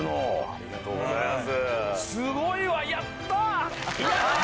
ありがとうございます！